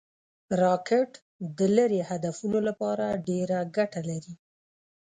راکټ د لرې هدفونو لپاره ډېره ګټه لري